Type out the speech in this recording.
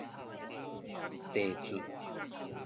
地顫